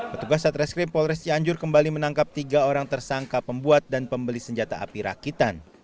petugas satreskrim polres cianjur kembali menangkap tiga orang tersangka pembuat dan pembeli senjata api rakitan